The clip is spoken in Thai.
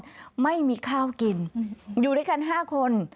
ไม่มีข้าวกินอยู่ด้วยกัน๕คน